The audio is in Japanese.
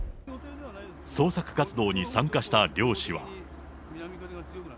捜索活動に参加した漁師は。